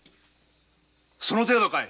その程度かい！